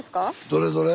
どれどれ？